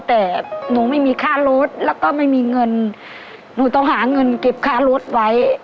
แต่หนูไม่มีค่ารถแล้วก็ไม่มีเงินหนูต้องหาเงินเก็บค่ารถไว้